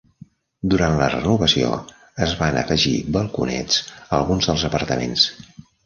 Durant la renovació, es van afegir balconets a alguns dels apartaments.